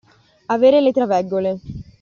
Avere le traveggole.